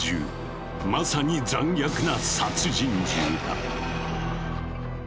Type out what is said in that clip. まさに残虐な殺人獣だ。